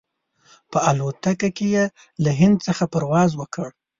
په الوتکه کې یې له هند څخه پرواز وکړ.